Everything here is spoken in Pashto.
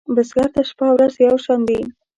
بزګر ته شپه ورځ یو شان دي